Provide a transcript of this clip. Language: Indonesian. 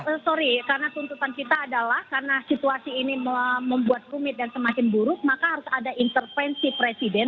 sorry karena tuntutan kita adalah karena situasi ini membuat rumit dan semakin buruk maka harus ada intervensi presiden